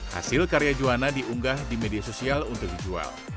hasil karya juwana diunggah di media sosial untuk dijual